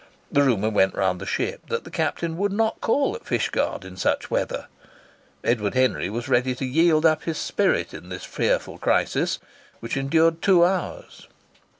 The rumour went round the ship that the captain would not call at Fishguard in such weather. Edward Henry was ready to yield up his spirit in this fearful crisis, which endured two hours.